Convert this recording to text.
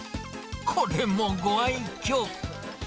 これもご愛きょう。